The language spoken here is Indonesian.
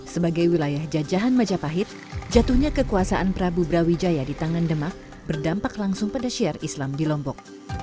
sebagai wilayah jajahan majapahit jatuhnya kekuasaan prabu brawijaya di tangan demak berdampak langsung pada syiar islam di lombok